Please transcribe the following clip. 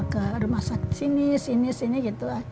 ke rumah sakit sini sini sini gitu